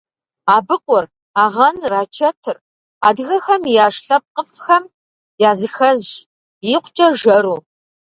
Абыкъур, агъэныр, ачэтыр - адыгэхэм яш лъэпкъыфӏхэм языхэзщ, икъукӏэ жэру.